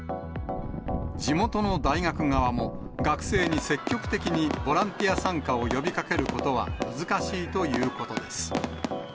地元の大学側も、学生に積極的にボランティア参加を呼びかけることは難しいということです。